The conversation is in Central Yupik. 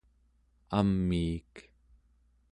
amiik